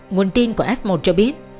nguồn tin của f một cho biết